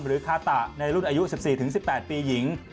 หรือคาตะในรุ่นอายุ๑๔๑๘ปีหญิง